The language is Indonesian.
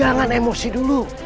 jangan emosi dulu